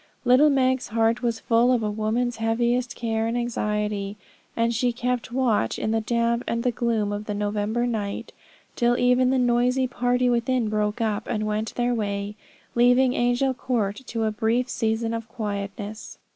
Little Meg's heart was full of a woman's heaviest care and anxiety, as she kept watch in the damp and the gloom of the November night, till even the noisy party within broke up, and went their way, leaving Angel Court to a brief season of quietness.